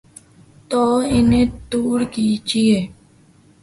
تو انہیں دور کیجیے۔